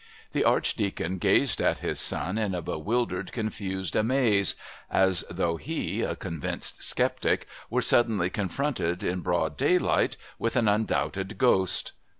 The Archdeacon gazed at his son in a bewildered, confused amaze, as though he, a convinced sceptic, were suddenly confronted, in broad daylight, with an undoubted ghost.